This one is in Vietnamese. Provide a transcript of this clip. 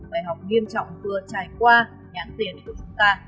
bài học nghiêm trọng vừa trải qua nhãn tiền của chúng ta